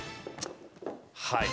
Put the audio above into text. はい。